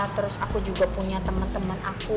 terus aku juga punya temen temen aku